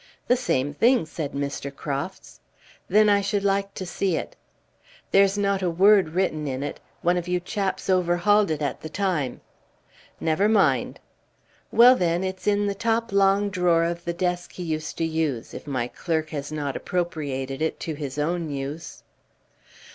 "The same thing," said Mr. Crofts. "Then I should like to see it." "There's not a word written in it; one of you chaps overhauled it at the time." "Never mind!" "Well, then, it's in the top long drawer of the desk he used to use if my clerk has not appropriated it to his own use."